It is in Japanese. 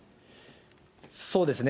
そうですね。